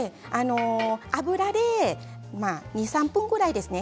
油で２、３分ぐらいですね。